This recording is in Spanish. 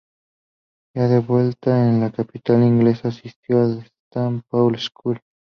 Ya de vuelta en la capital inglesa, asistió a la St Paul's School.